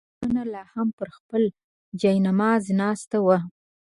زما مېرمنه لا هم پر خپل جاینماز ناسته وه.